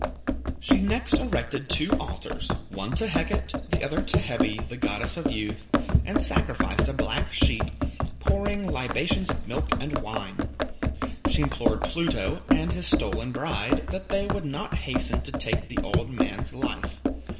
She next erected two altars, the one to Hecate, the other to Hebe, the goddess of youth, and sacrificed a black sheep, pouring libations of milk and wine. She implored Pluto and his stolen bride that they would not hasten to take the old man's life.